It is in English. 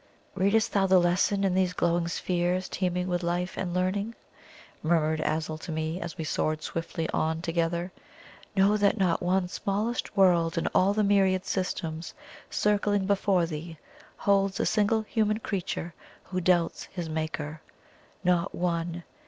"Readest thou the lesson in these glowing spheres, teeming with life and learning?" murmured Azul to me, as we soared swiftly on together. "Know that not one smallest world in all the myriad systems circling before thee, holds a single human creature who doubts his Maker. Not one!